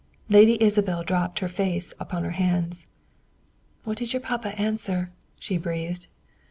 Lady Isabel dropped her face upon her hands. "What did your papa answer?" she breathed.